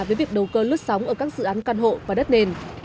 với việc đầu cơ lướt sóng ở các dự án căn hộ và đất nền